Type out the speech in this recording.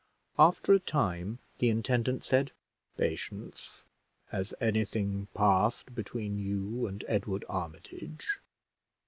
After a time, the intendant said, "Patience, has any thing passed between you and Edward Armitage?"